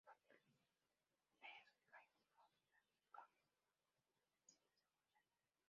Fue telonero de James Brown y David Bowie en sus visitas a Buenos Aires.